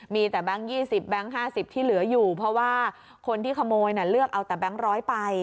มีแต่แบงค์๒๐แบงค์๕๐ที่เหลืออยู่เพราะว่าคนที่ขโมยเลือกเอาแต่แบงค์ร้อยไป